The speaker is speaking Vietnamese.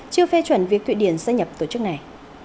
chưa phê chuẩn việc thụy điển gia nhập tổ chức này